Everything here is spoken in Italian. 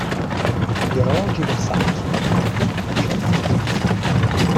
Gli orologi Versace sono prodotti sotto licenza in Svizzera.